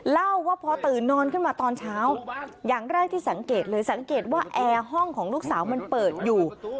เล่าว่าพอตื่นนอนขึ้นมาตอนเช้าอย่างแรกที่สังเกตเลยสังเกตว่าแอร์ห้องของลูกสาวมันเปิดอยู่